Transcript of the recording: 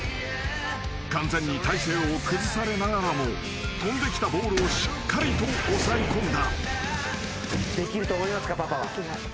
［完全に体勢を崩されながらも飛んできたボールをしっかりと抑え込んだ］